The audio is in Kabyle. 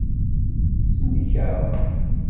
Sellek-aɣ.